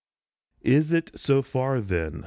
Is it so far then ?